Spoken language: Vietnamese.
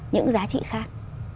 những giá trị khác